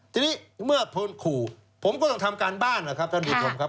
ทีนี้เมื่อพลขู่ผมก็ต้องทำการบ้านนะครับท่านผู้ชมครับ